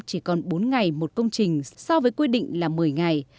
chỉ còn bốn ngày một công trình so với quy định là một mươi ngày